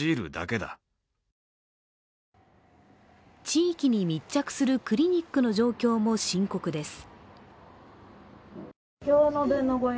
地域に密着するクリニックの状況も深刻です。